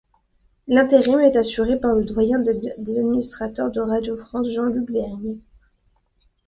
L'intérim est assuré par le doyen des administrateurs de Radio France, Jean-Luc Vergne.